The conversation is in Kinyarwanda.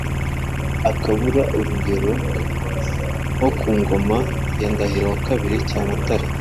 akabura rugero nko ku ngoma ya Ndahiro wakabiri Cyamatara,